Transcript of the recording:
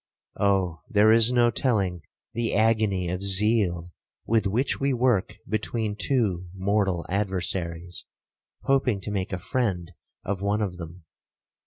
Oh! there is no telling the agony of zeal with which we work between two mortal adversaries, hoping to make a friend of one of them!